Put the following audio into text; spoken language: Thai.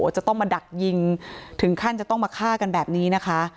จะต้องมาดักยิงถึงขั้นจะต้องมาฆ่ากันแบบนี้นะคะ